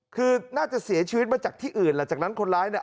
คือน่าจะเสียชีวิตมาจากที่อื่นหลังจากนั้นคนร้ายเนี่ย